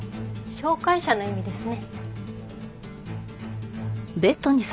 紹介者の意味ですね。